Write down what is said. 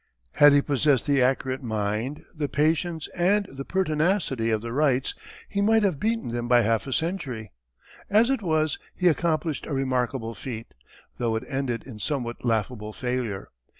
Had he possessed the accurate mind, the patience, and the pertinacity of the Wrights he might have beaten them by half a century. As it was he accomplished a remarkable feat, though it ended in somewhat laughable failure.